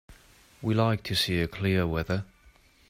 We like to see clear weather.